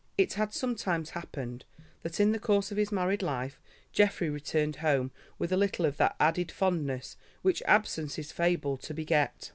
It had sometimes happened that, in the course of his married life, Geoffrey returned home with a little of that added fondness which absence is fabled to beget.